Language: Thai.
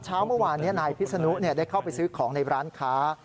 เช้าเมื่อวานนี้นายพิษนุได้เข้าไปซื้อของในร้านค้า